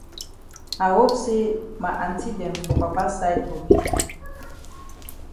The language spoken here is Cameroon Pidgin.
I hope say ma aunty dem for papa side go be.